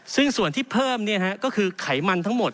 ซึ่งส่วนที่เพิ่มก็คือไขมันทั้งหมด